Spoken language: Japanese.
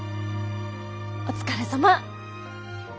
お疲れさま。